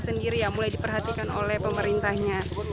sanggir ya mulai diperhatikan oleh pemerintahnya